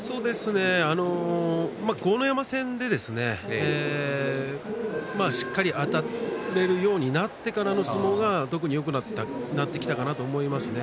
豪ノ山戦でですねしっかりあたれるようになってからの相撲が特によくなってきたかなと思いますね。